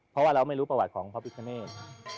เพราะว่าเราไม่รู้ประวัติของพระพิคเนต